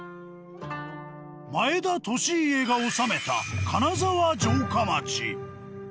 前田利家が治めた金沢城下町。